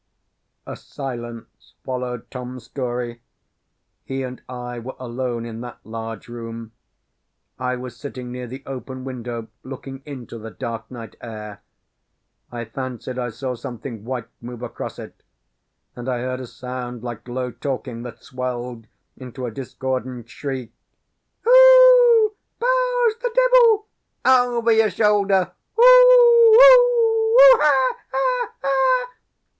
A silence followed Tom's story. He and I were alone in that large room; I was sitting near the open window, looking into the dark night air. I fancied I saw something white move across it; and I heard a sound like low talking that swelled into a discordant shriek "Hoo oo oo! Bowes, the devil! Over your shoulder. Hoo oo oo! ha! ha! ha!"